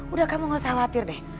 udah kamu gak usah khawatir deh